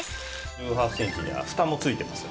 １８センチにはふたも付いてます。